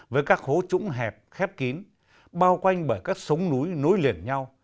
với các hố trũng hẹp khép kín bao quanh bởi các sống núi nối liền nhau